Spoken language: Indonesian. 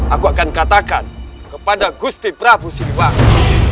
aku akan katakan kepada gusti prabu siliwangi